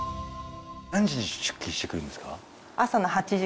何時に出勤してくるんですか？